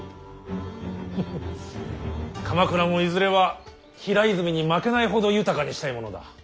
フフ鎌倉もいずれは平泉に負けないほど豊かにしたいものだ。